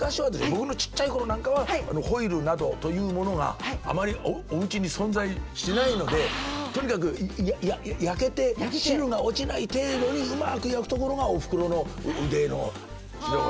僕のちっちゃいころなんかはホイルなどというものがあまりおうちに存在しないのでとにかく焼けて汁が落ちない程度にうまく焼くところがおふくろの腕の妙。